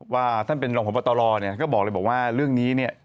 ว่าท่านเป็นรองพบตรเนี่ยก็บอกเลยบอกว่าเรื่องนี้เนี่ย